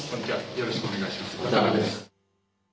よろしくお願いします。